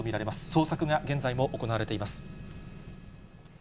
捜索が現在も行われています。